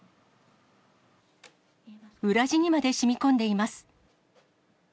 裏地にまでしみこんでいます。